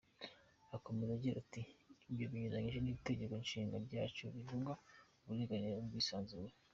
Akomeza agira ati “Ibyo binyuranyije n’Itegeko Nshinga ryacu rivuga uburinganire, ubwisanzure.